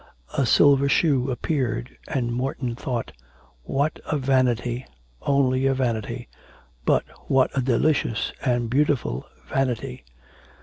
A silver shoe appeared, and Morton thought: 'What a vanity, only a vanity; but what a delicious and beautiful vanity.'